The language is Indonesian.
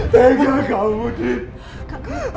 tengah kamu dih